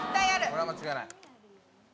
これは間違いない。